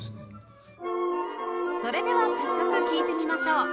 それでは早速聴いてみましょう